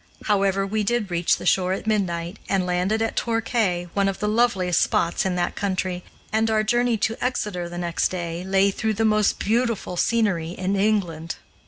However, we did reach the shore at midnight and landed at Torquay, one of the loveliest spots in that country, and our journey to Exeter the next day lay through the most beautiful scenery in England.